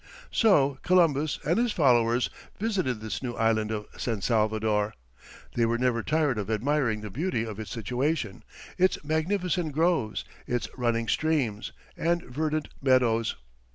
So Columbus and his followers visited this new island of San Salvador. They were never tired of admiring the beauty of its situation, its magnificent groves, its running streams, and verdant meadows.